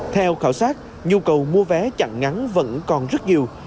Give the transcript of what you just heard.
theo khảo sát nhu cầu mua vé chặn ngắn vẫn còn rất nhiều